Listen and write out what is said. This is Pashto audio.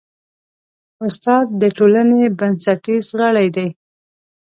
استاد د ټولنې بنسټیز غړی دی.